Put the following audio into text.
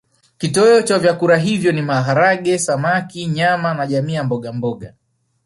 Kitoweo cha vyakula hivyo ni maharage samaki nyama na jamii ya mbogamboga